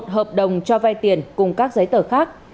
một hợp đồng cho vai tiền cùng các giấy tờ khác